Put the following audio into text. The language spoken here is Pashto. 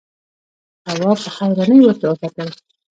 تواب په حيرانۍ ورته کتل…